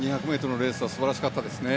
２００ｍのレースは素晴らしかったですね。